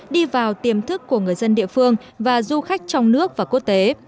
đi vào tiềm thức của người dân địa phương và du khách trong nước và quốc tế